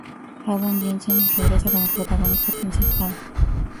Adam Jensen regresa como protagonista principal.